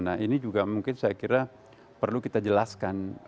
nah ini juga mungkin saya kira perlu kita jelaskan